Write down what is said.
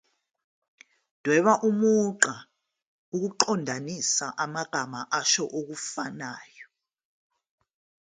Dweba umugqa ukuqondanisa amagama asho okufanayo.